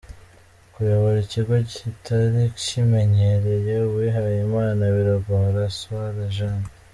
Kuyobora ikigo kitari kimenyereye uwihaye Imana biragora– Soeur Eugenie.